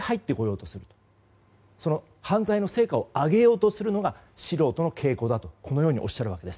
でも、犯罪の成果を上げようとするのが素人の傾向だとこのようにおっしゃるわけです。